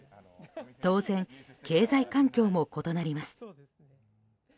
当然、経済環境も異なります。